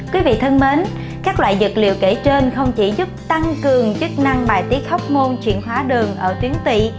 quý vị thân mến các loại dược liệu kể trên không chỉ giúp tăng cường chức năng bài tiết hóc môn chuyển hóa đường ở tuyến tị